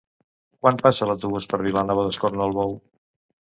Quan passa l'autobús per Vilanova d'Escornalbou?